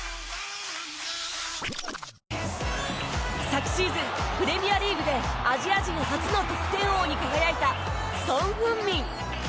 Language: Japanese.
昨シーズン、プレミアリーグでアジア人初の得点王に輝いたソン・フンミン。